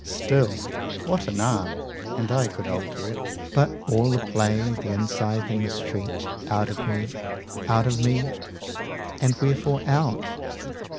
Still, what an arm! and I could alter it: 115 But all the play, the insight and the stretch Out of me, out of me! And wherefore out?